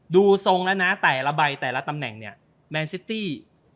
ดูทรงแล้วนะแต่ละใบแต่ละตำแหน่งเนี่ยแมนซิตี้